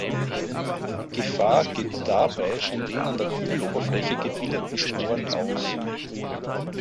Gefahr geht dabei von den an der Kugeloberfläche gebildeten Sporen aus.